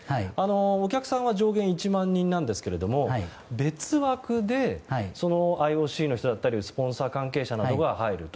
お客さんは上限１万人なんですが別枠でＩＯＣの人だったりスポンサー関係者の人が入ると。